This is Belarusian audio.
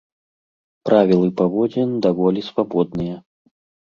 Правілы паводзін даволі свабодныя.